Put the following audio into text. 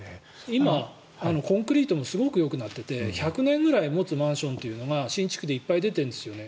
今、コンクリートもすごくよくなってて１００年ぐらい持つマンションっていうのが新築でいっぱい出ているんですよね。